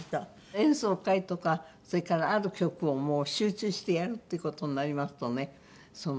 演奏会とかそれからある曲を集中してやるっていう事になりますとね